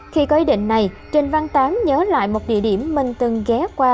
khi có ý định này trần văn tám nhớ lại một địa điểm mình từng ghé qua